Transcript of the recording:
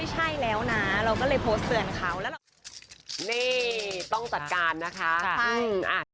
ไม่ใช่แล้วนะเราก็เลยโพสเตือนเขาแล้วนี่ต้องจัดการนะคะค่ะอืมอ่า